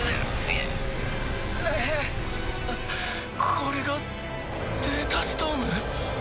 これがデータストーム？